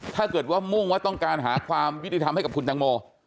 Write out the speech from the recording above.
ถ้าเกิดว่ามุ่งว่าต้องการหาความยุติธรรมให้กับคุณตังโม